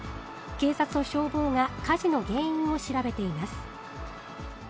警察と消防が火事の原因を調べています。